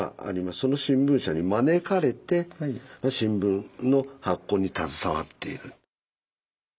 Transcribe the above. その新聞社に招かれて新聞の発行に携わっている。